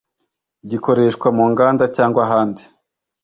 gikoreshwa mu nganda cyangwa ahandi.